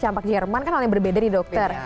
campak jerman kan hal yang berbeda nih dokter